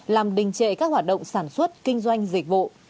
làm đình trệ các hoạt động sản xuất kinh doanh dịch vụ